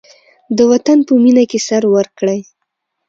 د وطن په مینه کې سر ورکړئ.